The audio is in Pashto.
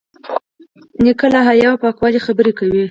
نیکه له حیا او پاکوالي خبرې کوي.